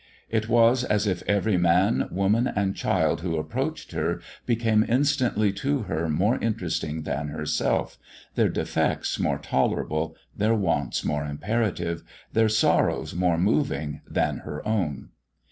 It was as if every man, woman, and child who approached her became instantly to her more interesting than herself, their defects more tolerable, their wants more imperative, their sorrows more moving than her own.